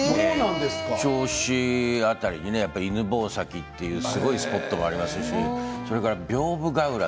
銚子辺りに犬吠埼というすごいスポットがありますしそれから屏風ケ浦。